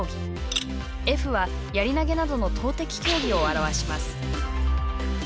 Ｆはやり投げなどの投てき競技を表します。